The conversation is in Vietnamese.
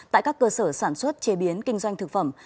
tại các cơ sở sản xuất chế biến kinh doanh thực phẩm